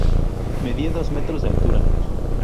Medían dos metros de altura.